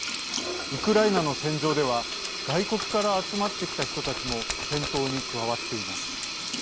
ウクライナの戦場では外国から集まってきた人たちも戦闘に加わっています。